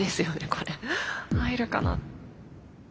これ入るかな。